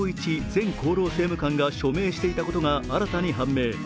前厚生労働政務官が署名していたことが判明。